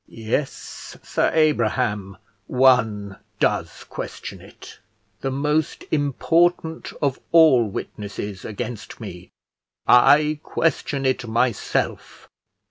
"Yes, Sir Abraham, one does question it, the most important of all witnesses against me; I question it myself.